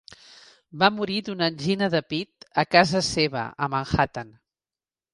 Va morir d'una angina de pita casa seva a Manhattan.